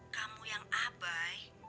kamu yang abai